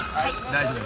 大丈夫。